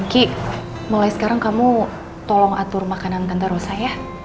ki mulai sekarang kamu tolong atur makanan tante rosa ya